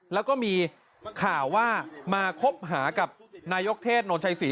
แล้วก็มีข่าวว่ามาคบหากับนายกเทศโนนชัยศรี